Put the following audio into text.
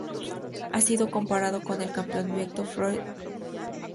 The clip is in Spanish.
Ha sido comparado con el campeón invicto Floyd Mayweather Benavidez Jr.